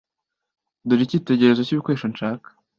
Dore icyitegererezo cyibikoresho nshaka.